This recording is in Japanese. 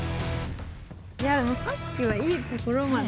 いやさっきはいいところまで。